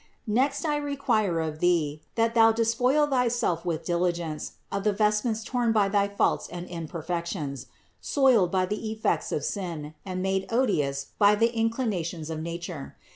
18. "Next I require of thee, that thou despoil thyself with diligence of the vestments torn by thy faults and imperfections, soiled by the effects of sin, and made odious by the inclinations of nature.